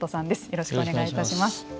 よろしくお願いします。